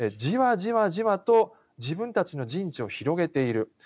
じわじわと自分たちの陣地を広げている。